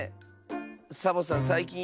サボさんさいきん